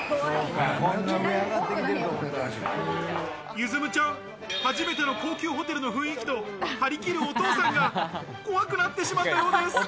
友紬ちゃん、初めての高級ホテルの雰囲気と張り切るお父さんが怖くなってしまったようです。